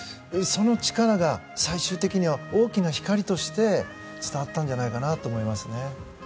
その力が最終的には大きな光として伝わったんじゃないかと思いますね。